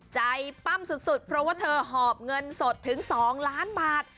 ปั้มสุดเพราะว่าเธอหอบเงินสดถึง๒ล้านบาท